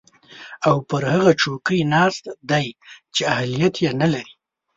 او پر هغه څوکۍ ناست دی چې اهلیت ېې نلري